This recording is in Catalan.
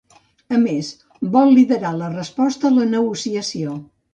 A més, vol liderar la resposta a la negociació.